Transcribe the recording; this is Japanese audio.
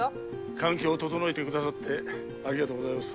環境を整えてくださってありがとうございます